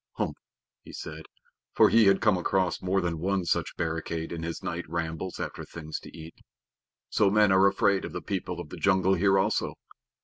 "Umph!" he said, for he had come across more than one such barricade in his night rambles after things to eat. "So men are afraid of the People of the Jungle here also."